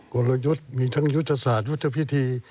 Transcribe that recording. กลยุทธ์มีทั้งยุทธศาสตร์ยุทธพิธี